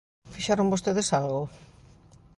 ¿Fixeron vostedes algo?